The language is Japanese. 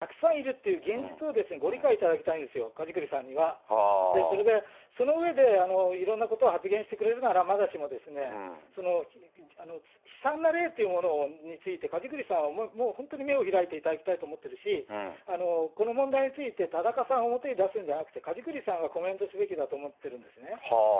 だから、だけども、私はね、そうじゃない祝福を受けた２世がたくさんいるっていう現実をご理解いただきたいんですよ、梶栗さんには。それでその上でいろんなことを発言してくれるならまだしも、悲惨な例というものについて梶栗さんはもう本当に目を開いていただきたいと思っているし、この問題について田中さんを表に出すんじゃなくて、梶栗さんがコメントすべきだと思ってるんですね。